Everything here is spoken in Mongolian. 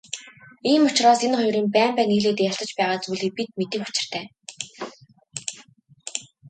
Ийм учраас энэ хоёрын байн байн нийлээд ярилцаж байгаа зүйлийг бид мэдэх учиртай.